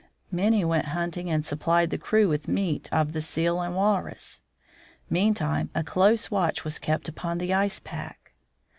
Many went hunting and supplied the crew with meat of the seal and walrus. Meantime a close watch was kept upon the ice pack.